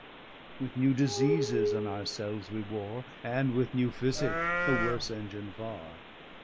With new diseases on our selves we warre, And with new Physicke, a worse Engin farre.